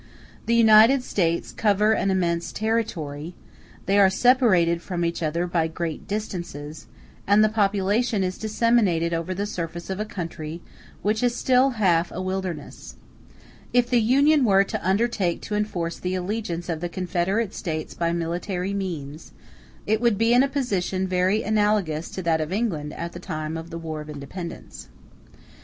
*a The United States cover an immense territory; they are separated from each other by great distances; and the population is disseminated over the surface of a country which is still half a wilderness. If the Union were to undertake to enforce the allegiance of the confederate States by military means, it would be in a position very analogous to that of England at the time of the War of Independence.